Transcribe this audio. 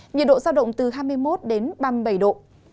nhiệt độ giao động từ hai mươi một đến ba mươi bảy độ